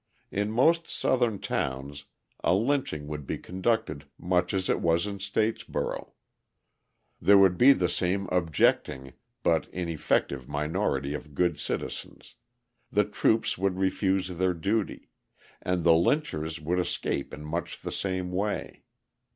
In most Southern towns a lynching would be conducted much as it was in Statesboro; there would be the same objecting but ineffective minority of good citizens, the troops would refuse their duty, and the lynchers would escape in much the same way.